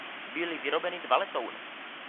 Byly vyrobeny dva letouny.